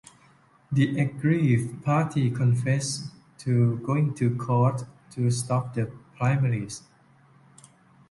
The aggrieved party confessed to going to court to "stop" the primaries.